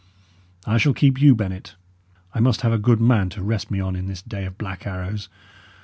I shall keep you, Bennet. I must have a good man to rest me on in this day of black arrows.